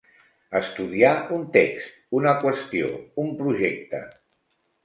Estudiar un text, una qüestió, un projecte.